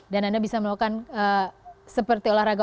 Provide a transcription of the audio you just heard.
dan anda bisa melakukan seperti olahraga